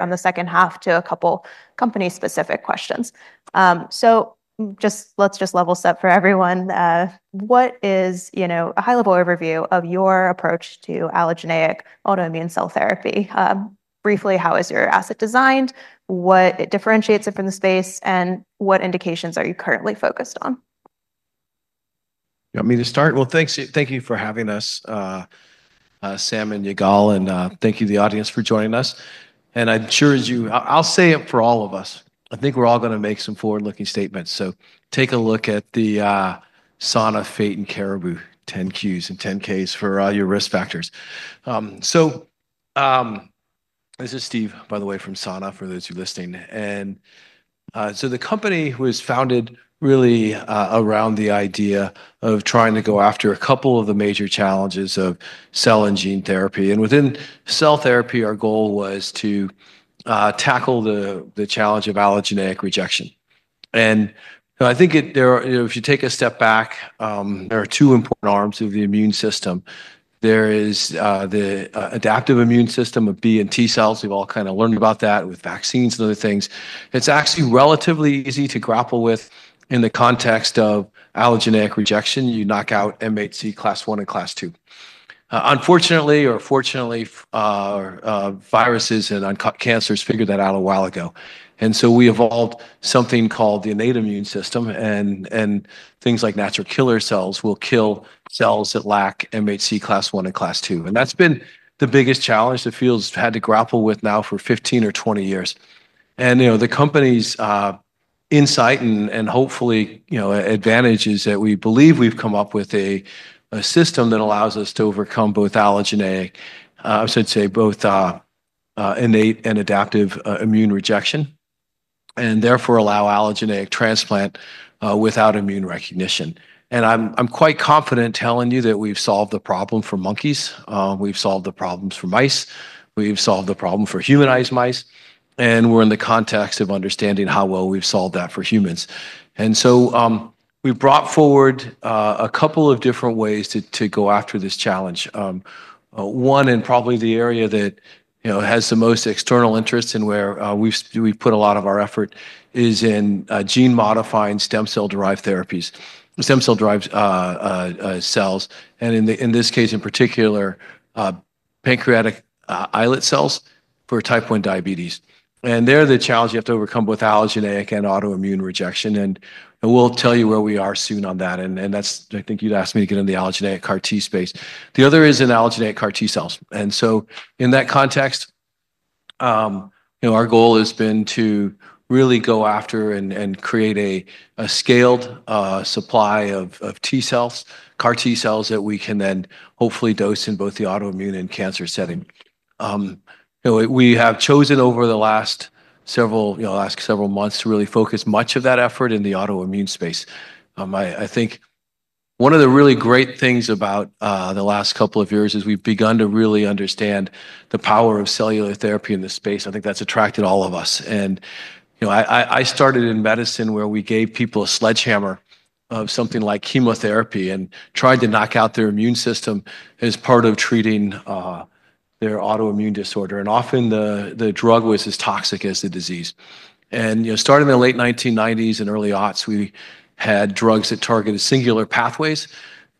On the second half to a company-specific questions. So let's just level set for everyone. What is a high-level overview of your approach to allogeneic autoimmune cell therapy? Briefly, how is your asset designed? What differentiates it from the space? And what indications are you currently focused on? I mean, to start, well, thank you for having us, Sam and Yigal. And thank you to the audience for joining us. And I'm sure as you, I'll say it for all of us. I think we're all going to make some forward-looking statements. So take a look at the Sana Fate and Caribou 10Qs and 10Ks for all your risk factors. So this is Steve, by the way, from Sana, for those who are listening. And so the company was founded really around the idea of trying to go after a couple of the major challenges of cell and gene therapy. And within cell therapy, our goal was to tackle the challenge of allogeneic rejection. And I think if you take a step back, there are two important arms of the immune system. There is the adaptive immune system of B and T cells. We've all kind of learned about that with vaccines and other things. It's actually relatively easy to grapple with in the context of allogeneic rejection. You knock out MHC class I and class II. Unfortunately or fortunately, viruses and cancers figured that out a while ago. And so we evolved something called the innate immune system. And things like natural killer cells will kill cells that lack MHC class I and class II. And that's been the biggest challenge the field's had to grapple with now for 15 or 20 years. And the company's insight and hopefully advantage is that we believe we've come up with a system that allows us to overcome both allogeneic, I should say both innate and adaptive immune rejection, and therefore allow allogeneic transplant without immune recognition. And I'm quite confident telling you that we've solved the problem for monkeys. We've solved the problem for mice. We've solved the problem for humanized mice. And we're in the context of understanding how well we've solved that for humans. And so we've brought forward a couple of different ways to go after this challenge. One, and probably the area that has the most external interest and where we've put a lot of our effort, is in gene-modifying stem cell-derived therapies, stem cell-derived cells, and in this case in particular, pancreatic islet cells for type 1 diabetes. And they're the challenge you have to overcome with allogeneic and autoimmune rejection. And we'll tell you where we are soon on that. And I think you'd asked me to get into the allogeneic CAR T space. The other is in allogeneic CAR T cells. And so in that context, our goal has been to really go after and create a scaled supply of T cells, CAR T cells that we can then hopefully dose in both the autoimmune and cancer setting. We have chosen over the last several months to really focus much of that effort in the autoimmune space. I think one of the really great things about the last couple of years is we've begun to really understand the power of cellular therapy in this space. I think that's attracted all of us. And I started in medicine where we gave people a sledgehammer of something like chemotherapy and tried to knock out their immune system as part of treating their autoimmune disorder. And often the drug was as toxic as the disease. And starting in the late 1990s and early aughts, we had drugs that targeted singular pathways,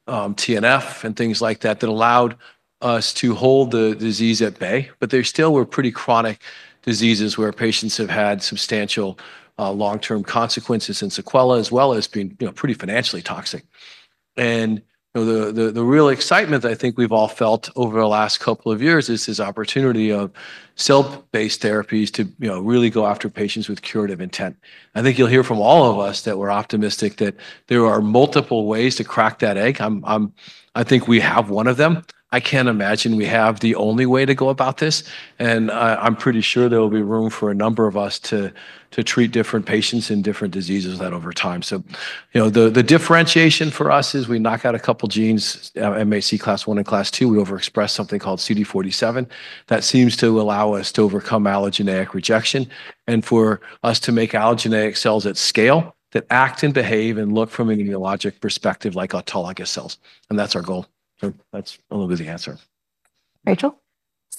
TNF and things like that, that allowed us to hold the disease at bay. But there still were pretty chronic diseases where patients have had substantial long-term consequences and sequelae, as well as being pretty financially toxic. And the real excitement that I think we've all felt over the last couple of years is this opportunity of cell-based therapies to really go after patients with curative intent. I think you'll hear from all of us that we're optimistic that there are multiple ways to crack that egg. I think we have one of them. I can't imagine we have the only way to go about this. And I'm pretty sure there will be room for a number of us to treat different patients in different diseases over time. The differentiation for us is we knock out a couple of genes, MHC class I and class II. We overexpress something called CD47. That seems to allow us to overcome allogeneic rejection and for us to make allogeneic cells at scale that act and behave and look from an immunologic perspective like autologous cells. That's our goal. That's a little bit of the answer. Rachel?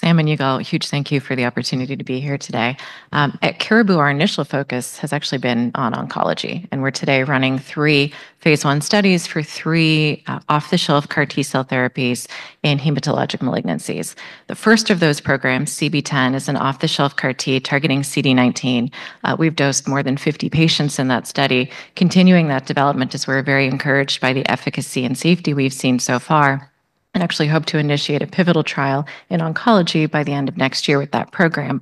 Sam and Yigal, huge thank you for the opportunity to be here today. At Caribou, our initial focus has actually been on oncology. And we're today running three phase I studies for three off-the-shelf CAR T cell therapies in hematologic malignancies. The first of those programs, CB-010, is an off-the-shelf CAR T targeting CD19. We've dosed more than 50 patients in that study, continuing that development as we're very encouraged by the efficacy and safety we've seen so far. And actually hope to initiate a pivotal trial in oncology by the end of next year with that program.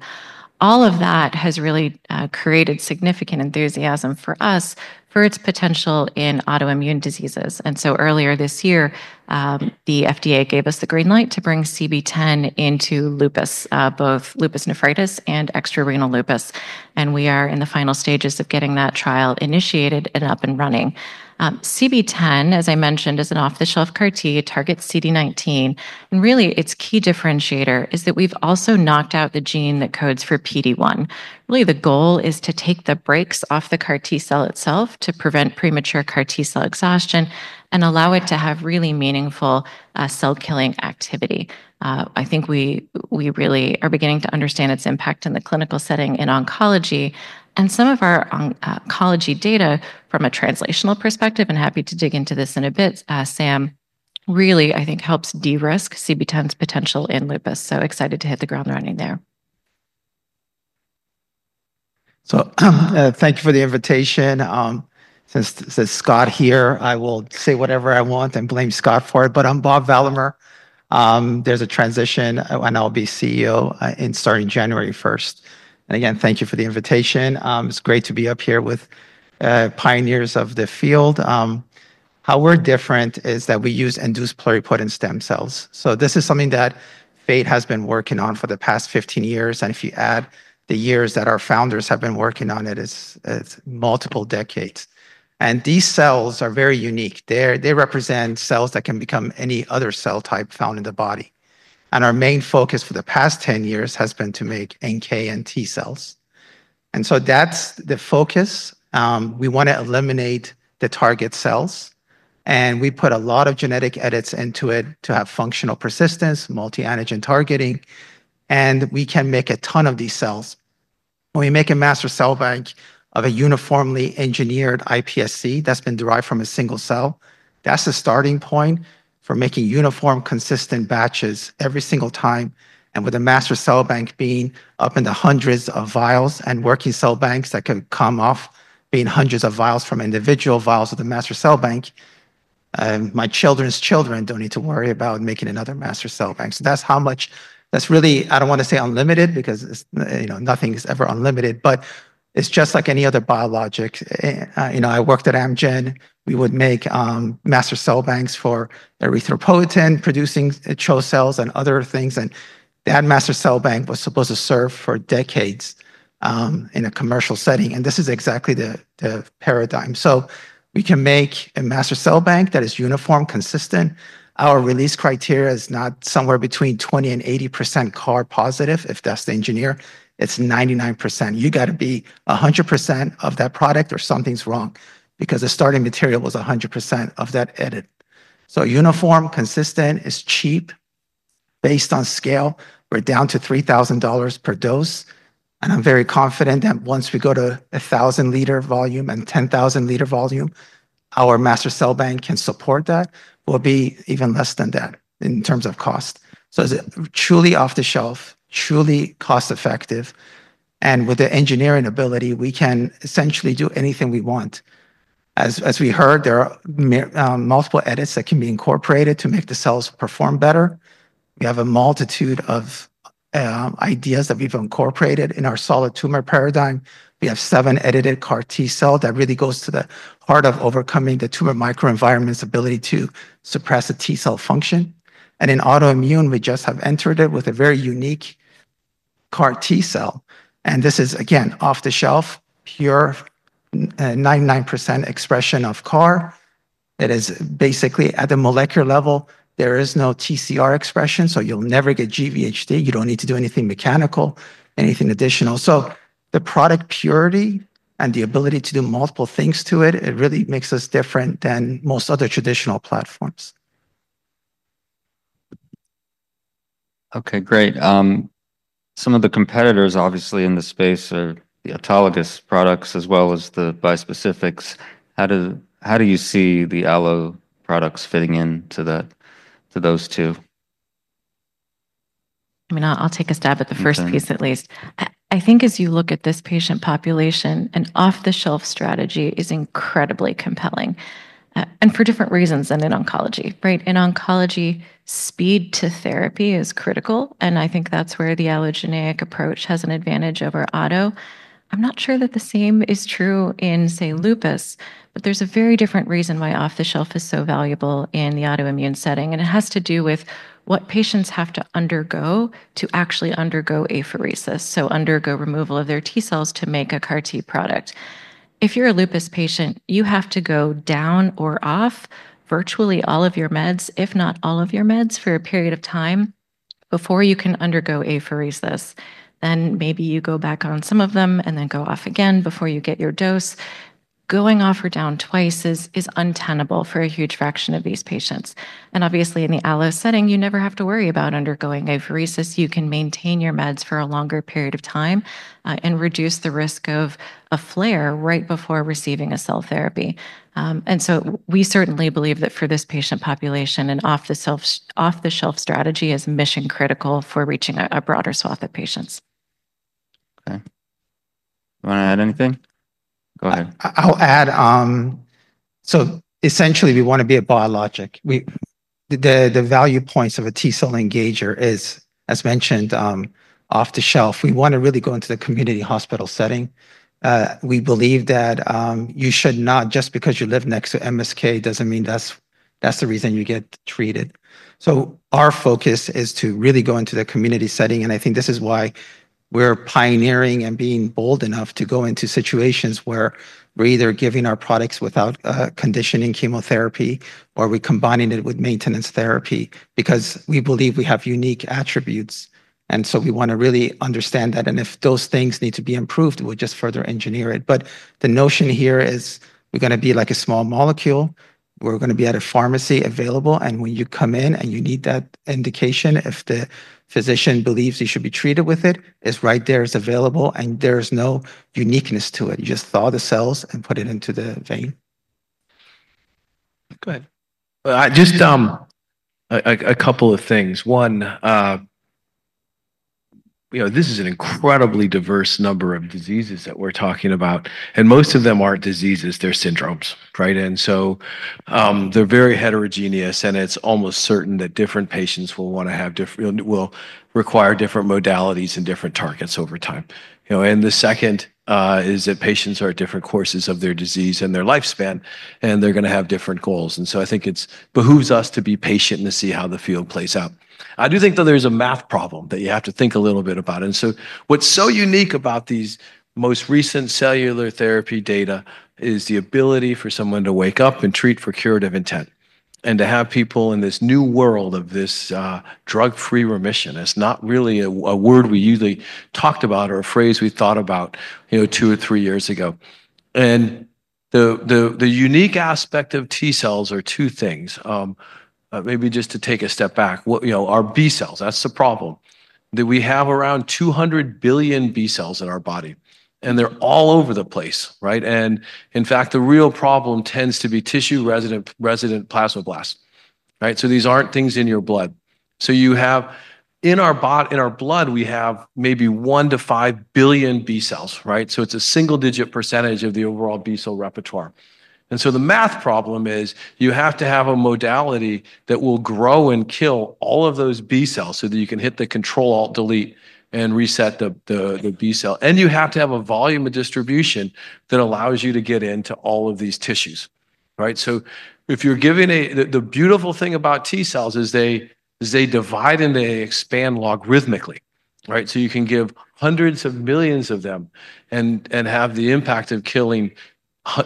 All of that has really created significant enthusiasm for us for its potential in autoimmune diseases. And so earlier this year, the FDA gave us the green light to bring CB-010 into lupus, both lupus nephritis and extra-renal lupus. We are in the final stages of getting that trial initiated and up and running. CB-010, as I mentioned, is an off-the-shelf CAR T target CD19. Really, its key differentiator is that we've also knocked out the gene that codes for PD-1. Really, the goal is to take the brakes off the CAR T cell itself to prevent premature CAR T cell exhaustion and allow it to have really meaningful cell-killing activity. I think we really are beginning to understand its impact in the clinical setting in oncology. Some of our oncology data from a translational perspective, and happy to dig into this in a bit, Sam, really, I think, helps de-risk CB-010's potential in lupus. Excited to hit the ground running there. Thank you for the invitation. Since Scott's here, I will say whatever I want and blame Scott for it, but I'm Bob Valamehr. There's a transition, and I'll be CEO starting January 1st, and again, thank you for the invitation. It's great to be up here with pioneers of the field. How we're different is that we use induced pluripotent stem cells, so this is something that Fate has been working on for the past 15 years, and if you add the years that our founders have been working on, it's multiple decades, and these cells are very unique. They represent cells that can become any other cell type found in the body, and our main focus for the past 10 years has been to make NK and T cells, and so that's the focus. We want to eliminate the target cells. We put a lot of genetic edits into it to have functional persistence, multi-antigen targeting. We can make a ton of these cells. When we make a master cell bank of a uniformly engineered iPSC that's been derived from a single cell, that's a starting point for making uniform, consistent batches every single time. With a master cell bank being up in the hundreds of vials and working cell banks that can come off being hundreds of vials from individual vials of the master cell bank, my children's children don't need to worry about making another master cell bank. That's how much that's really. I don't want to say unlimited because nothing is ever unlimited. But it's just like any other biologic. I worked at Amgen. We would make master cell banks for erythropoietin-producing CHO cells and other things. That master cell bank was supposed to serve for decades in a commercial setting. This is exactly the paradigm. We can make a master cell bank that is uniform, consistent. Our release criteria is not somewhere between 20% and 80% CAR positive, if that's the engineer. It's 99%. You got to be 100% of that product or something's wrong because the starting material was 100% of that edit. Uniform, consistent is cheap. Based on scale, we're down to $3,000 per dose. I'm very confident that once we go to 1,000-liter volume and 10,000-liter volume, our master cell bank can support that. We'll be even less than that in terms of cost. It's truly off the shelf, truly cost-effective. With the engineering ability, we can essentially do anything we want. As we heard, there are multiple edits that can be incorporated to make the cells perform better. We have a multitude of ideas that we've incorporated in our solid tumor paradigm. We have seven edited CAR T cells that really goes to the heart of overcoming the tumor microenvironment's ability to suppress the T cell function. And in autoimmune, we just have entered it with a very unique CAR T cell. And this is, again, off the shelf, pure 99% expression of CAR. It is basically at the molecular level. There is no TCR expression, so you'll never get GVHD. You don't need to do anything mechanical, anything additional. So the product purity and the ability to do multiple things to it. It really makes us different than most other traditional platforms. OK, great. Some of the competitors, obviously, in the space are the autologous products as well as the bispecifics. How do you see the allo products fitting into those two? I mean, I'll take a stab at the first piece at least. I think as you look at this patient population, an off-the-shelf strategy is incredibly compelling. And for different reasons than in oncology, right? In oncology, speed to therapy is critical. And I think that's where the allogeneic approach has an advantage over auto. I'm not sure that the same is true in, say, lupus. But there's a very different reason why off-the-shelf is so valuable in the autoimmune setting. And it has to do with what patients have to undergo to actually undergo apheresis, so undergo removal of their T cells to make a CAR T product. If you're a lupus patient, you have to go down or off virtually all of your meds, if not all of your meds, for a period of time before you can undergo apheresis. Then maybe you go back on some of them and then go off again before you get your dose. Going off or down twice is untenable for a huge fraction of these patients. And obviously, in the allo setting, you never have to worry about undergoing apheresis. You can maintain your meds for a longer period of time and reduce the risk of a flare right before receiving a cell therapy. And so we certainly believe that for this patient population, an off-the-shelf strategy is mission-critical for reaching a broader swath of patients. OK. You want to add anything? Go ahead. I'll add. So essentially, we want to be a biologic. The value points of a T cell engager is, as mentioned, off-the-shelf. We want to really go into the community hospital setting. We believe that you should not just because you live next to MSK doesn't mean that's the reason you get treated. So our focus is to really go into the community setting. And I think this is why we're pioneering and being bold enough to go into situations where we're either giving our products without conditioning chemotherapy or we're combining it with maintenance therapy because we believe we have unique attributes. And so we want to really understand that. And if those things need to be improved, we'll just further engineer it. But the notion here is we're going to be like a small molecule. We're going to be at a pharmacy available. When you come in and you need that indication, if the Physician believes you should be treated with it, it's right there. It's available. There is no uniqueness to it. You just thaw the cells and put it into the vein. Go ahead. Just a couple of things. One, this is an incredibly diverse number of diseases that we're talking about. And most of them aren't diseases. They're syndromes, right? And so they're very heterogeneous. And it's almost certain that different patients will require different modalities and different targets over time. And the second is that patients are at different courses of their disease and their lifespan. And they're going to have different goals. And so I think it behooves us to be patient and to see how the field plays out. I do think, though, there's a math problem that you have to think a little bit about. And so what's so unique about these most recent cellular therapy data is the ability for someone to wake up and treat for curative intent and to have people in this new world of this drug-free remission. It's not really a word we usually talked about or a phrase we thought about two or three years ago. And the unique aspect of T cells are two things. Maybe just to take a step back, our B cells, that's the problem. We have around 200 billion B cells in our body. And they're all over the place, right? And in fact, the real problem tends to be tissue-resident plasma blasts, right? So these aren't things in your blood. So in our blood, we have maybe one to five billion B cells, right? So it's a single-digit percentage of the overall B cell repertoire. And so the ath problem is you have to have a modality that will grow and kill all of those B cells so that you can hit the Control-Alt-Delete and reset the B cell. And you have to have a volume of distribution that allows you to get into all of these tissues, right? So if you're giving. The beautiful thing about T cells is they divide and they expand logarithmically, right? So you can give hundreds of millions of them and have the impact of killing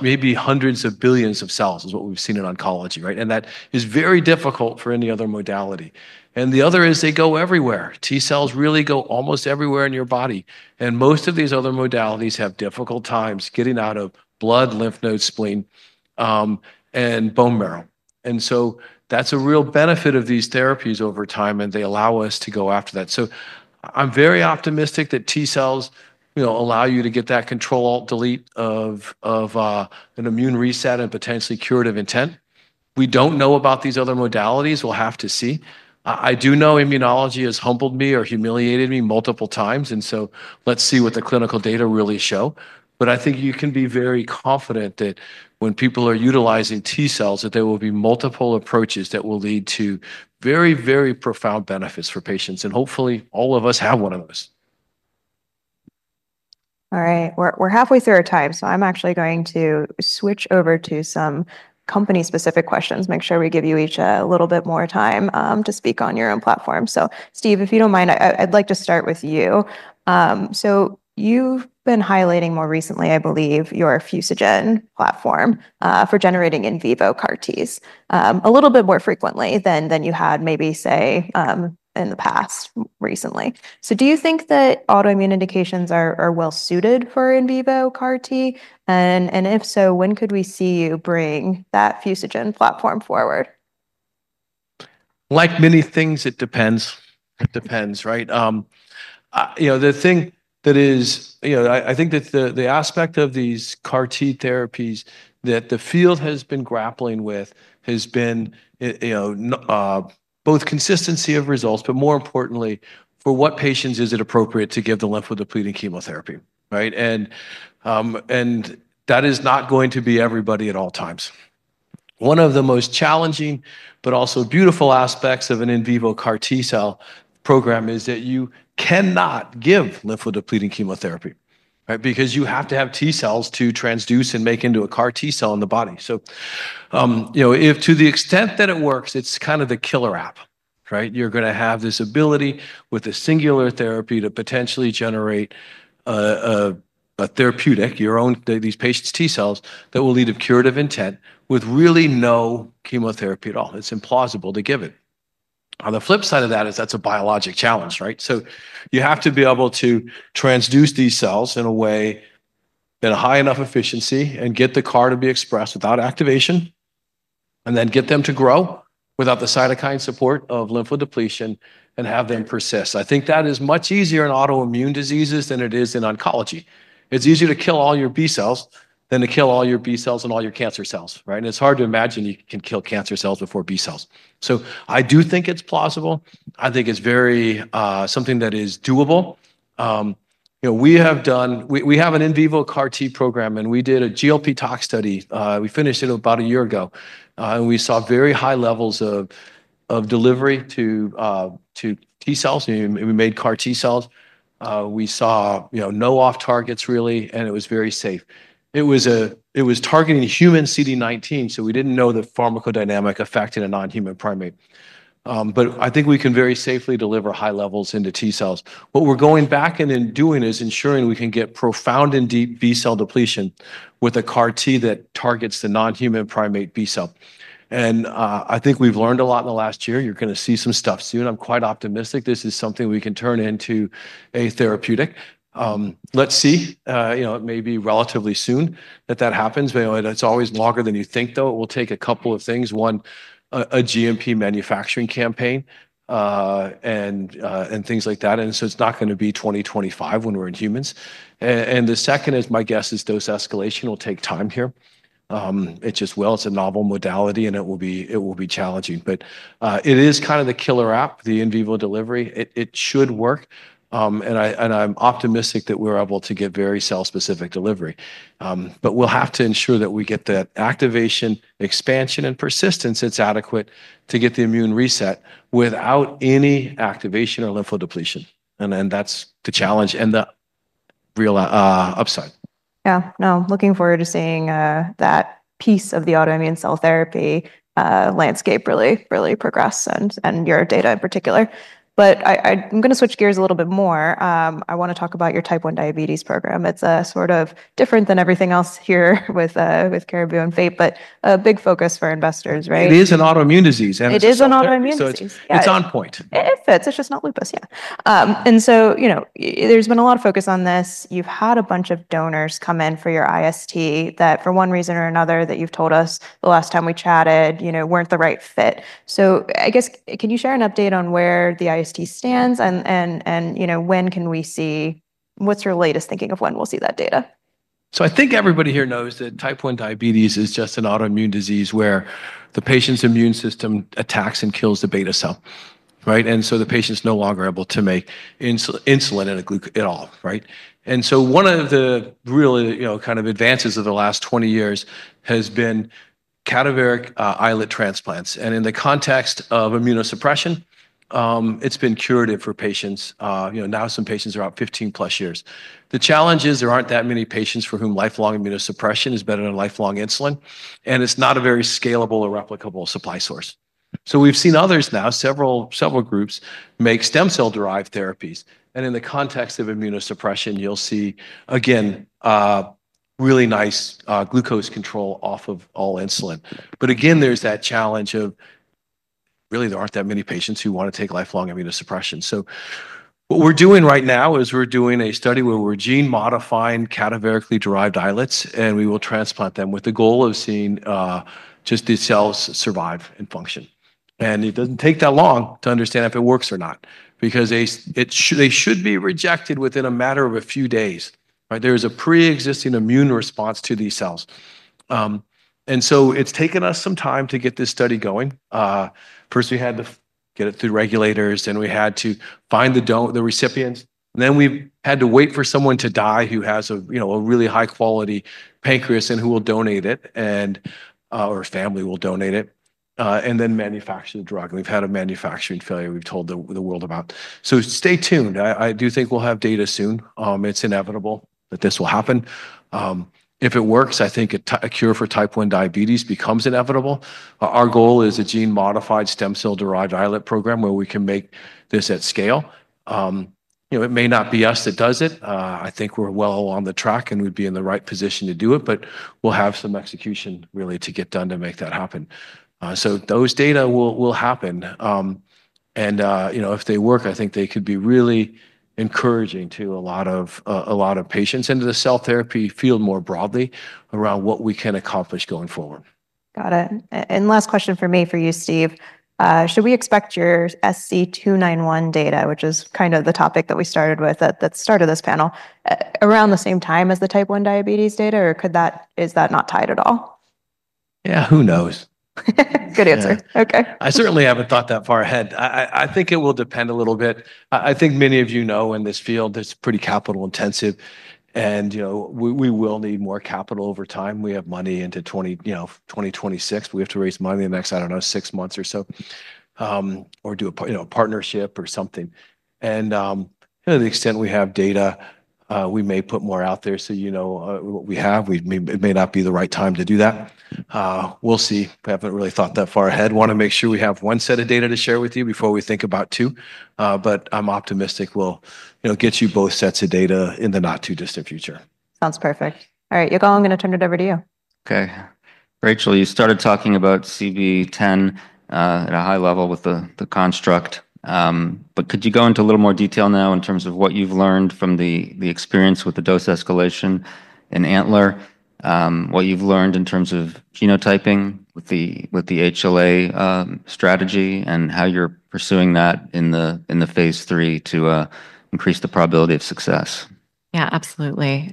maybe hundreds of billions of cells is what we've seen in oncology, right? And that is very difficult for any other modality. And the other is they go everywhere. T cells really go almost everywhere in your body. And most of these other modalities have difficult times getting out of blood, lymph nodes, spleen, and bone marrow. And so that's a real benefit of these therapies over time. And they allow us to go after that. So I'm very optimistic that T cells allow you to get that Control-Alt-Delete of an immune reset and potentially curative intent. We don't know about these other modalities. We'll have to see. I do know immunology has humbled me or humiliated me multiple times, and so let's see what the clinical data really show, but I think you can be very confident that when people are utilizing T cells, that there will be multiple approaches that will lead to very, very profound benefits for patients, and hopefully, all of us have one of those. All right. We're halfway through our time. So I'm actually going to switch over to some company-specific questions, make sure we give you each a little bit more time to speak on your own platform. So Steve, if you don't mind, I'd like to start with you. So you've been highlighting more recently, I believe, your fusogen platform for generating in vivo CAR T's a little bit more frequently than you had, maybe, say, in the past recently. So do you think that autoimmune indications are well-suited for in vivo CAR T? And if so, when could we see you bring that fusogen platform forward? Like many things, it depends. It depends, right? The thing that is I think that the aspect of these CAR T therapies that the field has been grappling with has been both consistency of results, but more importantly, for what patients is it appropriate to give the lymphodepleting chemotherapy, right, and that is not going to be everybody at all times. One of the most challenging but also beautiful aspects of an in vivo CAR T cell program is that you cannot give lymphodepleting chemotherapy because you have to have T cells to transduce and make into a CAR T cell in the body, so to the extent that it works, it's kind of the killer app, right? You're going to have this ability with a singular therapy to potentially generate a therapeutic, your own, these patients' T cells that will lead to curative intent with really no chemotherapy at all. It's implausible to give it. On the flip side of that is that's a biologic challenge, right? So you have to be able to transduce these cells in a way that has high enough efficiency and get the CAR to be expressed without activation and then get them to grow without the cytokine support of lymphodepletion and have them persist. I think that is much easier in autoimmune diseases than it is in oncology. It's easier to kill all your B cells than to kill all your B cells and all your cancer cells, right? And it's hard to imagine you can kill cancer cells before B cells. So I do think it's plausible. I think it's very something that is doable. We have an in vivo CAR T program, and we did a GLP-tox study. We finished it about a year ago, and we saw very high levels of delivery to T cells. We made CAR T cells. We saw no off-targets, really, and it was very safe. It was targeting human CD19, so we didn't know the pharmacodynamic effect in a non-human primate, but I think we can very safely deliver high levels into T cells. What we're going back and then doing is ensuring we can get profound and deep B cell depletion with a CAR T that targets the non-human primate B cell, and I think we've learned a lot in the last year. You're going to see some stuff soon. I'm quite optimistic this is something we can turn into a therapeutic. Let's see. It may be relatively soon that that happens. But it's always longer than you think, though. It will take a couple of things. One, a GMP manufacturing campaign and things like that. And so it's not going to be 2025 when we're in humans. And the second is my guess is dose escalation will take time here. It just, well, it's a novel modality. And it will be challenging. But it is kind of the killer app, the in vivo delivery. It should work. And I'm optimistic that we're able to get very cell-specific delivery. But we'll have to ensure that we get that activation, expansion, and persistence that's adequate to get the immune reset without any activation or lymphodepletion. And then that's the challenge and the real upside. Yeah. No, looking forward to seeing that piece of the autoimmune cell therapy landscape really progress and your data in particular. But I'm going to switch gears a little bit more. I want to talk about your Type 1 diabetes program. It's sort of different than everything else here with Caribou and Fate, but a big focus for investors, right? It is an autoimmune disease. It is an autoimmune disease. It's on point. It fits. It's just not lupus, yeah, and so there's been a lot of focus on this. You've had a bunch of donors come in for your IST that, for one reason or another, you've told us the last time we chatted weren't the right fit, so I guess, can you share an update on where the IST stands, and when can we see? What's your latest thinking of when we'll see that data? I think everybody here knows that Type 1 diabetes is just an autoimmune disease where the patient's immune system attacks and kills the beta cell, right? And so the patient's no longer able to make insulin at all, right? And so one of the really kind of advances of the last 20 years has been cadaveric islet transplants. And in the context of immunosuppression, it's been curative for patients. Now some patients are about 15+ years. The challenge is there aren't that many patients for whom lifelong immunosuppression is better than lifelong insulin. And it's not a very scalable or replicable supply source. So we've seen others now, several groups, make stem cell-derived therapies. And in the context of immunosuppression, you'll see, again, really nice glucose control off of all insulin. But again, there's that challenge of really, there aren't that many patients who want to take lifelong immunosuppression. What we're doing right now is we're doing a study where we're gene-modifying cadaverically-derived islets. We will transplant them with the goal of seeing just these cells survive and function. It doesn't take that long to understand if it works or not because they should be rejected within a matter of a few days. There is a pre-existing immune response to these cells. It's taken us some time to get this study going. First, we had to get it through regulators. Then we had to find the recipients. We had to wait for someone to die who has a really high-quality pancreas and who will donate it or family will donate it and then manufacture the drug. We've had a manufacturing failure we've told the world about. Stay tuned. I do think we'll have data soon. It's inevitable that this will happen. If it works, I think a cure for type 1 diabetes becomes inevitable. Our goal is a gene-modified stem cell-derived islet program where we can make this at scale. It may not be us that does it. I think we're well on the track and we'd be in the right position to do it, but we'll have some execution really to get done to make that happen, so those data will happen, and if they work, I think they could be really encouraging to a lot of patients and to the cell therapy field more broadly around what we can accomplish going forward. Got it. And last question for me for you, Steve. Should we expect your SC291 data, which is kind of the topic that we started with at the start of this panel, around the same time as the type 1 diabetes data? Or is that not tied at all? Yeah, who knows? Good answer. OK. I certainly haven't thought that far ahead. I think it will depend a little bit. I think many of you know in this field, it's pretty capital-intensive, and we will need more capital over time. We have money into 2026. We have to raise money in the next, I don't know, six months or so or do a partnership or something, and to the extent we have data, we may put more out there, so you know what we have, it may not be the right time to do that. We'll see. We haven't really thought that far ahead. Want to make sure we have one set of data to share with you before we think about two, but I'm optimistic we'll get you both sets of data in the not-too-distant future. Sounds perfect. All right, Yigal, I'm going to turn it over to you. OK. Rachel, you started talking about CB-010 at a high level with the construct. But could you go into a little more detail now in terms of what you've learned from the experience with the dose escalation in Antler, what you've learned in terms of phenotyping with the HLA strategy, and how you're pursuing that in phase 3 to increase the probability of success? Yeah, absolutely.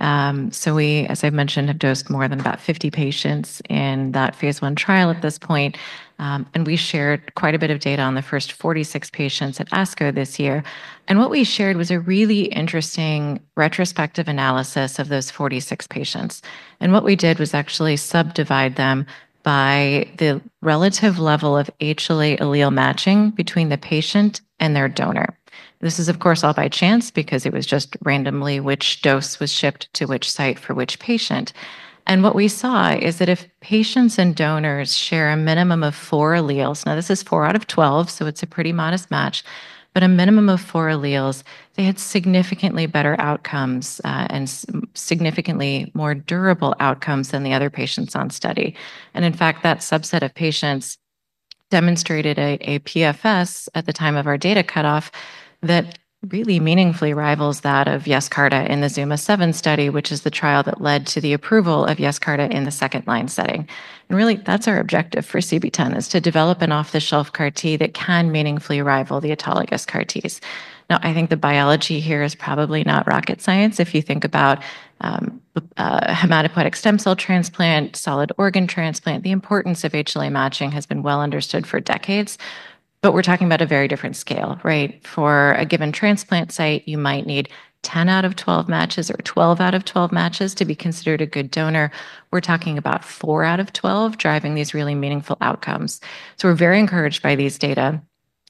So we, as I've mentioned, have dosed more than about 50 patients in that phase one trial at this point. And we shared quite a bit of data on the first 46 patients at ASCO this year. And what we shared was a really interesting retrospective analysis of those 46 patients. And what we did was actually subdivide them by the relative level of HLA allele matching between the patient and their donor. This is, of course, all by chance because it was just randomly which dose was shipped to which site for which patient. And what we saw is that if patients and donors share a minimum of four alleles, now this is four out of 12, so it's a pretty modest match but a minimum of four alleles, they had significantly better outcomes and significantly more durable outcomes than the other patients on study. And in fact, that subset of patients demonstrated a PFS at the time of our data cutoff that really meaningfully rivals that of Yescarta in the Zuma 7 study, which is the trial that led to the approval of Yescarta in the second-line setting. And really, that's our objective for CB-010 is to develop an off-the-shelf CAR T that can meaningfully rival the autologous CAR Ts. Now, I think the biology here is probably not rocket science. If you think about hematopoietic stem cell transplant, solid organ transplant, the importance of HLA matching has been well understood for decades. But we're talking about a very different scale, right? For a given transplant site, you might need 10 out of 12 matches or 12 out of 12 matches to be considered a good donor. We're talking about 4 out of 12 driving these really meaningful outcomes. So we're very encouraged by these data.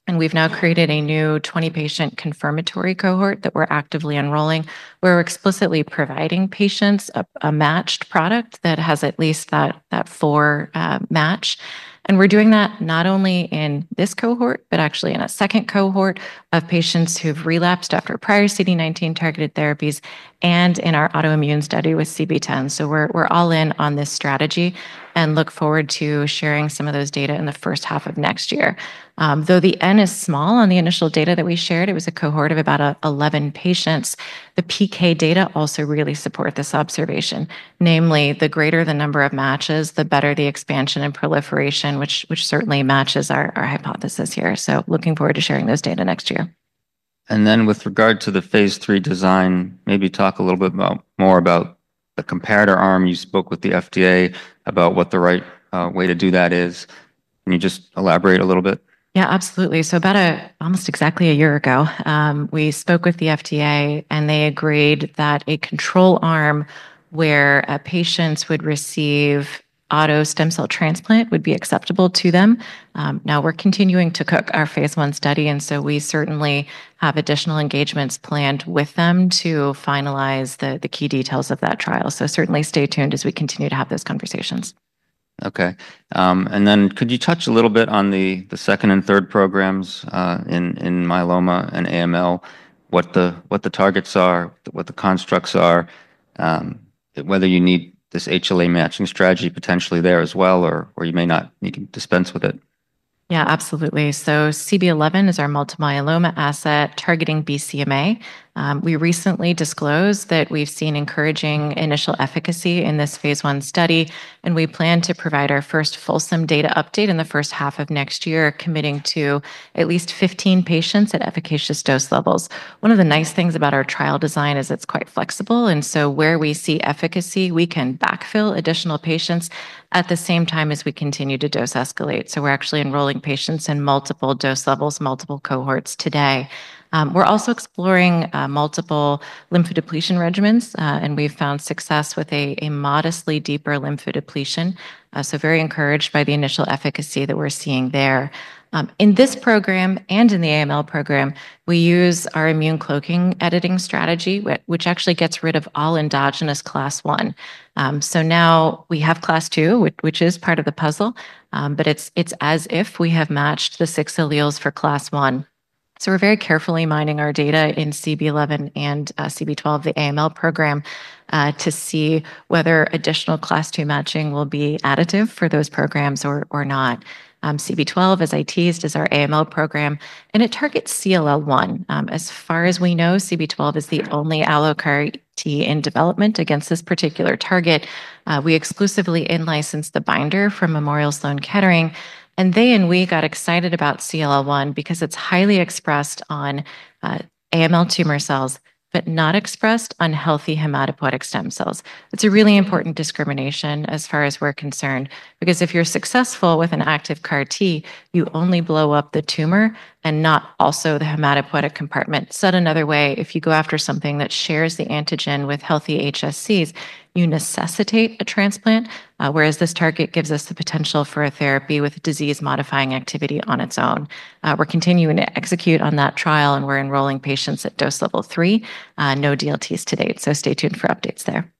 And we've now created a new 20-patient confirmatory cohort that we're actively enrolling. We're explicitly providing patients a matched product that has at least that four match. And we're doing that not only in this cohort but actually in a second cohort of patients who've relapsed after prior CD19 targeted therapies and in our autoimmune study with CB10. So we're all in on this strategy and look forward to sharing some of those data in the first half of next year. Though the N is small on the initial data that we shared, it was a cohort of about 11 patients. The PK data also really support this observation, namely, the greater the number of matches, the better the expansion and proliferation, which certainly matches our hypothesis here. So looking forward to sharing those data next year. With regard to the phase 3 design, maybe talk a little bit more about the comparator arm. You spoke with the FDA about what the right way to do that is. Can you just elaborate a little bit? Yeah, absolutely. So about almost exactly a year ago, we spoke with the FDA. And they agreed that a control arm where patients would receive auto stem cell transplant would be acceptable to them. Now, we're continuing to cook our phase one study. And so we certainly have additional engagements planned with them to finalize the key details of that trial. So certainly stay tuned as we continue to have those conversations. OK. Then could you touch a little bit on the second and third programs in myeloma and AML, what the targets are, what the constructs are, whether you need this HLA matching strategy potentially there as well, or you may not need to dispense with it? Yeah, absolutely, so CB-011 is our multiple myeloma asset targeting BCMA. We recently disclosed that we've seen encouraging initial efficacy in this phase one study, and we plan to provide our first fulsome data update in the first half of next year, committing to at least 15 patients at efficacious dose levels. One of the nice things about our trial design is it's quite flexible, and so where we see efficacy, we can backfill additional patients at the same time as we continue to dose escalate, so we're actually enrolling patients in multiple dose levels, multiple cohorts today. We're also exploring multiple lymphodepletion regimens, and we've found success with a modestly deeper lymphodepletion, so very encouraged by the initial efficacy that we're seeing there. In this program and in the AML program, we use our immune cloaking editing strategy, which actually gets rid of all endogenous Class I. So now we have class 2, which is part of the puzzle. But it's as if we have matched the six alleles for class 1. So we're very carefully mining our data in CB-011 and CB-012, the AML program, to see whether additional class 2 matching will be additive for those programs or not. CB-012, it's our AML program. And it targets CLL-1. As far as we know, CB-012 is the only allogeneic CAR-T in development against this particular target. We exclusively in-license the binder from Memorial Sloan Kettering. And they and we got excited about CLL-1 because it's highly expressed on AML tumor cells but not expressed on healthy hematopoietic stem cells. It's a really important discrimination as far as we're concerned because if you're successful with an active CAR T, you only blow up the tumor and not also the hematopoietic compartment. Said another way, if you go after something that shares the antigen with healthy HSCs, you necessitate a transplant, whereas this target gives us the potential for a therapy with disease-modifying activity on its own. We're continuing to execute on that trial. And we're enrolling patients at dose level 3. No DLTs to date. So stay tuned for updates there.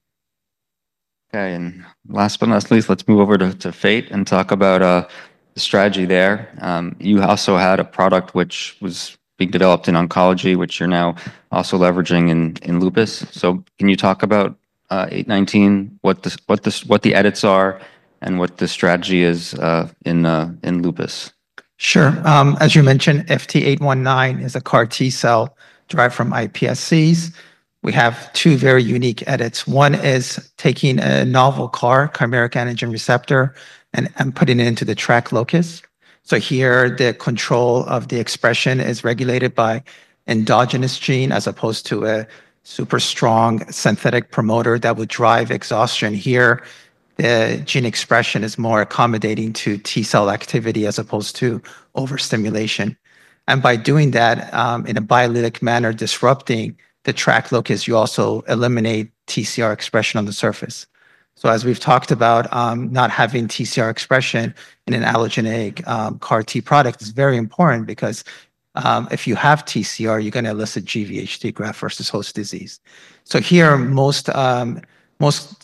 OK. And last but not least, let's move over to Fate and talk about the strategy there. You also had a product which was being developed in oncology, which you're now also leveraging in lupus. So can you talk about 819, what the edits are and what the strategy is in lupus? Sure. As you mentioned, FT819 is a CAR T cell derived from iPSCs. We have two very unique edits. One is taking a novel CAR, chimeric antigen receptor, and putting it into the TRAC locus. So here, the control of the expression is regulated by endogenous gene as opposed to a super strong synthetic promoter that would drive exhaustion. Here, the gene expression is more accommodating to T cell activity as opposed to overstimulation. And by doing that in a biallelic manner, disrupting the TRAC locus, you also eliminate TCR expression on the surface. So as we've talked about, not having TCR expression in an allogeneic CAR T product is very important because if you have TCR, you're going to elicit GVHD, graft versus host disease. Here, most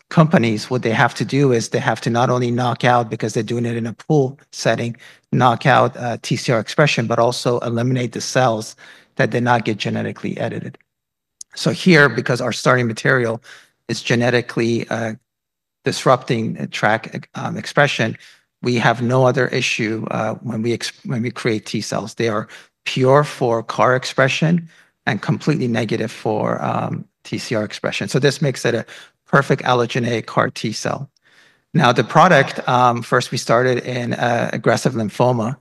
companies, what they have to do is they have to not only knock out, because they're doing it in a pool setting, knock out TCR expression but also eliminate the cells that did not get genetically edited. Here, because our starting material is genetically disrupting TRAC expression, we have no other issue when we create T cells. They are pure for CAR expression and completely negative for TCR expression. This makes it a perfect allogeneic CAR T cell. Now, the product, first, we started in aggressive lymphoma.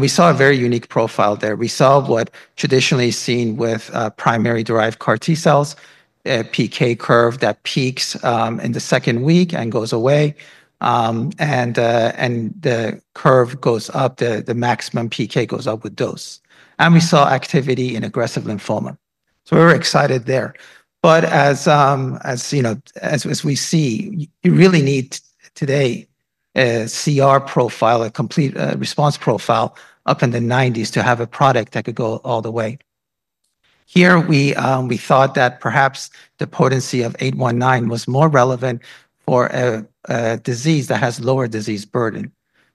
We saw a very unique profile there. We saw what traditionally is seen with primary-derived CAR T cells, a PK curve that peaks in the second week and goes away. The curve goes up. The maximum PK goes up with dose. We saw activity in aggressive lymphoma. We were excited there. But as we see, you really need today a CR profile, a complete response profile up in the 90s to have a product that could go all the way. Here, we thought that perhaps the potency of 819 was more relevant for a disease that has lower disease burden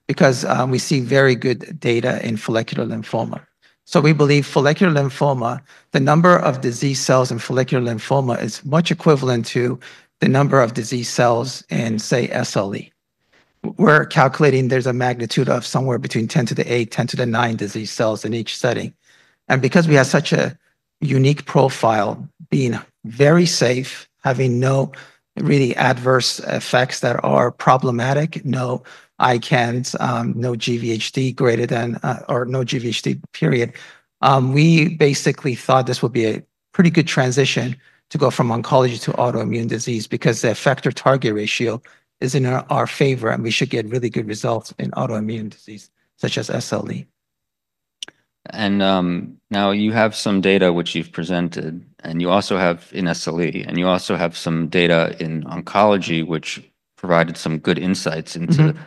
because we see very good data in follicular lymphoma. So we believe follicular lymphoma, the number of disease cells in follicular lymphoma is much equivalent to the number of disease cells in, say, SLE. We're calculating there's a magnitude of somewhere between 10 to the 8, 10 to the 9 disease cells in each setting. Because we have such a unique profile, being very safe, having no really adverse effects that are problematic, no ICANS, no GVHD greater than or no GVHD, period, we basically thought this would be a pretty good transition to go from oncology to autoimmune disease because the effector-target ratio is in our favor. We should get really good results in autoimmune disease such as SLE. Now you have some data which you've presented. You also have in SLE. You also have some data in oncology which provided some good insights into the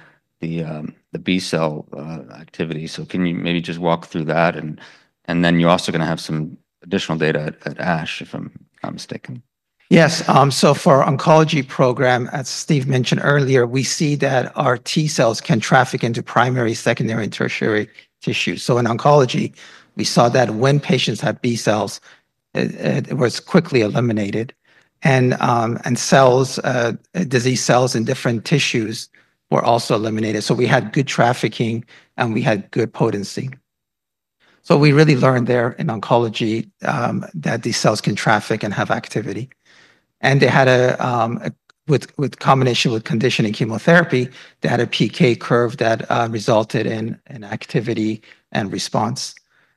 B cell activity. Can you maybe just walk through that? You're also going to have some additional data at ASH, if I'm not mistaken. Yes. So for our oncology program, as Steve mentioned earlier, we see that our T cells can traffic into primary, secondary, and tertiary tissue. So in oncology, we saw that when patients had B cells, it was quickly eliminated. And disease cells in different tissues were also eliminated. So we had good trafficking. And we had good potency. So we really learned there in oncology that these cells can traffic and have activity. And with combination with conditioning chemotherapy, they had a PK curve that resulted in activity and response.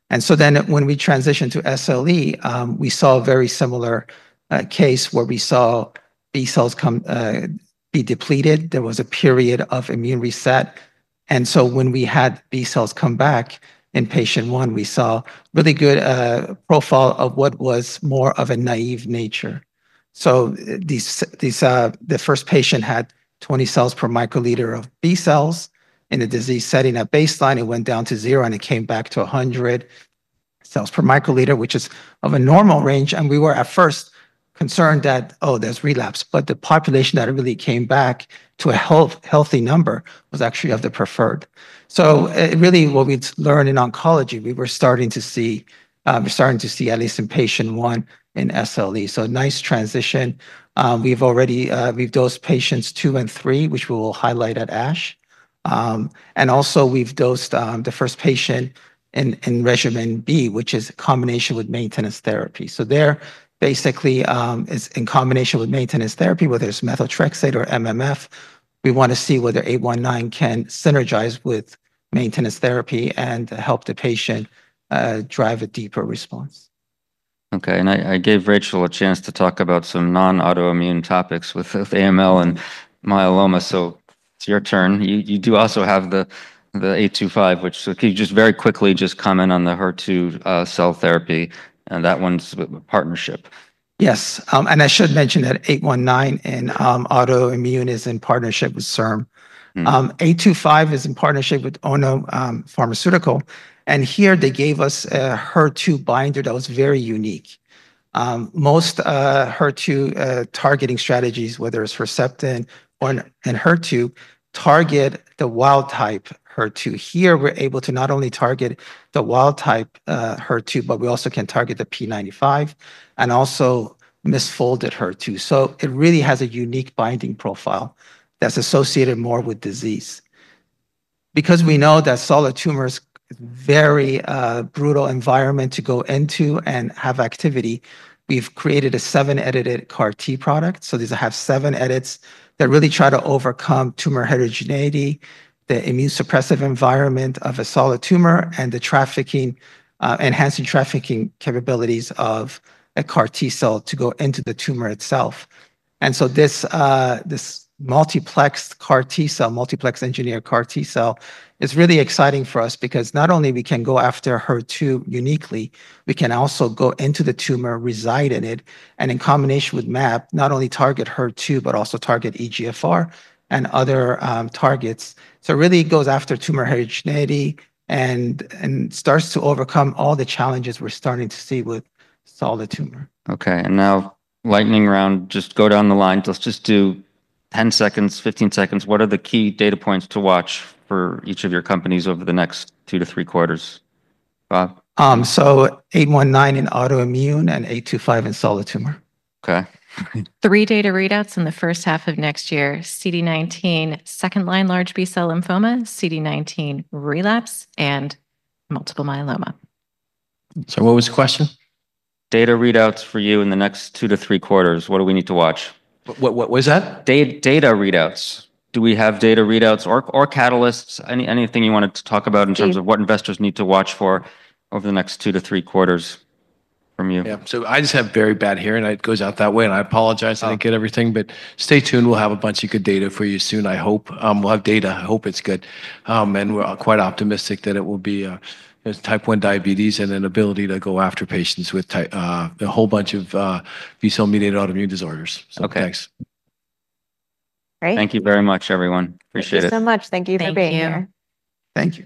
And so then when we transitioned to SLE, we saw a very similar case where we saw B cells be depleted. There was a period of immune reset. And so when we had B cells come back in patient one, we saw really good profile of what was more of a naive nature. So the first patient had 20 cells per microliter of B cells. In the disease setting, at baseline, it went down to 0. And it came back to 100 cells per microliter, which is of a normal range. And we were at first concerned that, oh, there's relapse. But the population that really came back to a healthy number was actually of the preferred. So really, what we learned in oncology, we were starting to see at least in patient one in SLE. So a nice transition. We've dosed patients two and three, which we will highlight at ASH. And also, we've dosed the first patient in regimen B, which is a combination with maintenance therapy. So there, basically, is in combination with maintenance therapy, whether it's Methotrexate or MMF. We want to see whether FT819 can synergize with maintenance therapy and help the patient drive a deeper response. OK. And I gave Rachel a chance to talk about some non-autoimmune topics with AML and myeloma. So it's your turn. You do also have the 825, which just very quickly just comment on the HER2 cell therapy. And that one's a partnership. Yes. And I should mention that 819 in autoimmune is in partnership with CIRM. 825 is in partnership with Ono Pharmaceutical. And here, they gave us a HER2 binder that was very unique. Most HER2 targeting strategies, whether it's Herceptin or an HER2, target the wild type HER2. Here, we're able to not only target the wild type HER2, but we also can target the p95 and also misfolded HER2. So it really has a unique binding profile that's associated more with disease. Because we know that solid tumor is a very brutal environment to go into and have activity, we've created a seven-edited CAR T product. So these have seven edits that really try to overcome tumor heterogeneity, the immune suppressive environment of a solid tumor, and the enhancing trafficking capabilities of a CAR T cell to go into the tumor itself. And so this multiplexed CAR T cell, multiplexed engineered CAR T cell, is really exciting for us because not only can we go after HER2 uniquely, we can also go into the tumor, reside in it, and in combination with MAPK, not only target HER2 but also target EGFR and other targets. So it really goes after tumor heterogeneity and starts to overcome all the challenges we're starting to see with solid tumor. OK. And now lightning round, just go down the line. Let's just do 10 seconds, 15 seconds. What are the key data points to watch for each of your companies over the next two to three quarters? Bob? 819 in autoimmune and 825 in solid tumor. OK. Three data readouts in the first half of next year, CD19, second-line large B-cell lymphoma, CD19 relapse, and multiple myeloma. So what was the question? Data readouts for you in the next two to three quarters. What do we need to watch? What was that? Data readouts. Do we have data readouts or catalysts? Anything you wanted to talk about in terms of what investors need to watch for over the next two to three quarters from you? Yeah. So I just have very bad hearing. It goes out that way. And I apologize. I didn't get everything. But stay tuned. We'll have a bunch of good data for you soon, I hope. We'll have data. I hope it's good. And we're quite optimistic that it will be type 1 diabetes and an ability to go after patients with a whole bunch of B-cell-mediated autoimmune disorders. So thanks. Great. Thank you very much, everyone. Appreciate it. Thank you so much. Thank you for being here. Thank you.